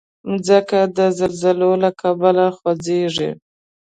مځکه د زلزلو له کبله خوځېږي.